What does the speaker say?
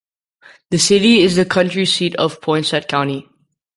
The city is the county seat of Poinsett County.